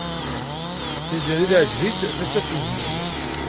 Tiziri teɛjeb-itt Tasaft Ugemmun.